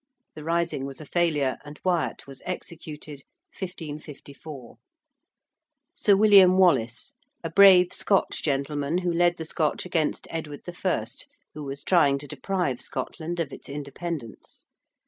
The rising was a failure, and Wyatt was executed, 1554. ~Sir William Wallace~: a brave Scotch gentleman who led the Scotch against Edward I., who was trying to deprive Scotland of its independence.